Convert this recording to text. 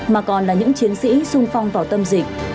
mà còn là những chiến sĩ sung phong vào tâm dịch